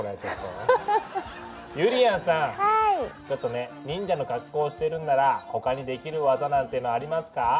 ちょっとね忍者の格好してるんなら他にできる技なんてのはありますか？